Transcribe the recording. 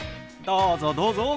どうぞどうぞ。